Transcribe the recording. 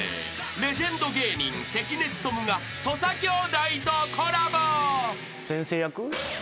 ［レジェンド芸人関根勤が土佐兄弟とコラボ］